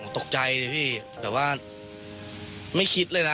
ตกใจดิพี่แต่ว่าไม่คิดเลยนะ